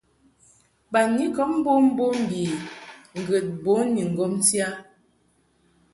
Banyikɔb mbommbom bi ŋgəd bun ni ŋgɔmti a.